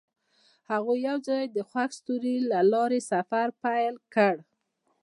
هغوی یوځای د خوښ ستوري له لارې سفر پیل کړ.